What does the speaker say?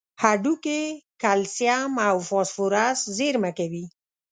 هډوکي کلسیم او فاسفورس زیرمه کوي.